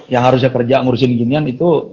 yang harusnya kerja ngurusin ginian itu